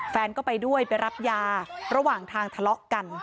แฟนก็ไปด้วยไปรับยาระหว่างทางทะเลาะกัน